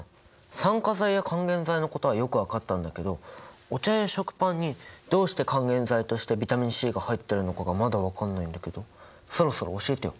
酸化剤や還元剤のことはよく分かったんだけどお茶や食パンにどうして還元剤としてビタミンＣが入ってるのかがまだ分かんないんだけどそろそろ教えてよ。